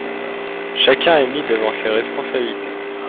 Chacun est mis devant ses responsabilités